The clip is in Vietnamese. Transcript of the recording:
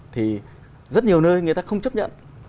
thì rất nhiều nơi người ta không chấp nhận